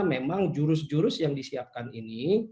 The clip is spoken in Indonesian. memang jurus jurus yang disiapkan ini